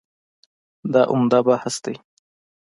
دا عمده بحث دی.